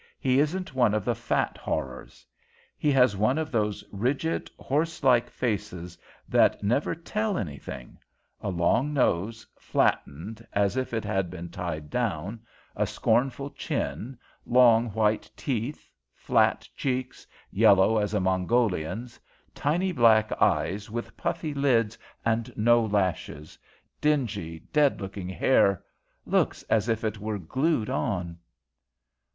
He isn't one of the fat horrors. He has one of those rigid, horselike faces that never tell anything; a long nose, flattened as if it had been tied down; a scornful chin; long, white teeth; flat cheeks, yellow as a Mongolian's; tiny, black eyes, with puffy lids and no lashes; dingy, dead looking hair looks as if it were glued on.